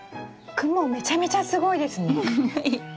クモめちゃめちゃすごいですね。